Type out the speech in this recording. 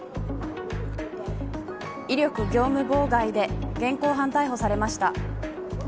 威力業務妨害で現行犯逮捕されました。